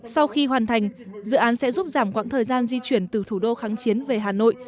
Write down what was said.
sau khi hoàn thành dự án sẽ giúp giảm quãng thời gian di chuyển từ thủ đô kháng chiến về hà nội